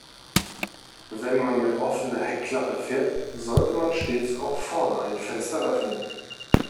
Wenn man mit offener Heckklappe fährt, sollte man stets auch vorne ein Fenster öffnen.